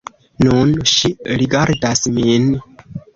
Nun, ŝi rigardas min.